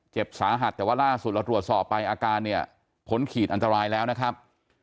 เจ็บสาหัสแต่ว่าล่าสุดเราตรวจสอบไปอาการเนี่ยพ้นขีดอันตรายแล้วนะครับ